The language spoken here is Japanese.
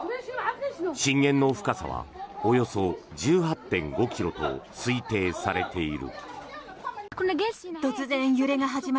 震源の深さはおよそ１８．５ｋｍと推定されている。